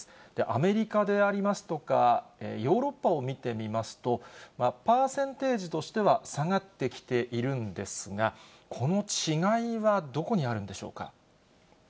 アメリカでありますとかヨーロッパを見てみますと、パーセンテージとしては下がってきているんですが、この違いはどこにあるんでしょうか。